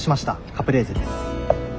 カプレーゼです。